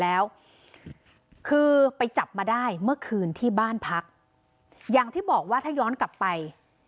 แล้วคือไปจับมาได้เมื่อคืนที่บ้านพักอย่างที่บอกว่าถ้าย้อนกลับไป